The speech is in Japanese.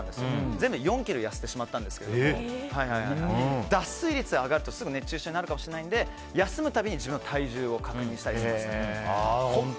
全部で４ｋｇ痩せてしまったんですけど脱水率が上がるとすぐ熱中症になるかもしれないので休むたびに自分は体重を確認したりしました。